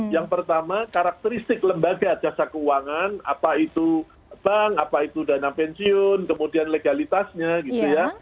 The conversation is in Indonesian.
yang pertama karakteristik lembaga jasa keuangan apa itu bank apa itu dana pensiun kemudian legalitasnya gitu ya